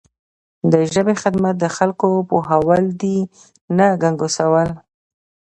د ژبې خدمت د خلکو پوهول دي نه ګنګسول.